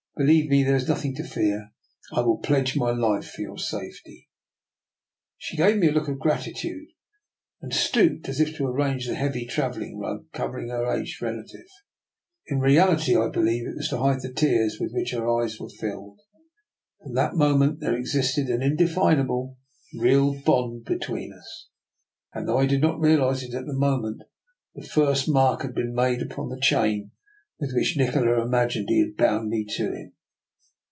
" Believe me, there is nothing to fear. I will pledge my life for your safety. '^^ She gave me a look of gratitude, and stooped as if to arrange the heavy travelling rug covering her aged relative. In reality 1 believe it was to hide the tears with which her eyes were filled. From that moment there existed an indefinable, real bond between us; and though I did not realise it at the mo ment, the first mark had been made upon the chain with which Nikola imagined he had bound me to him.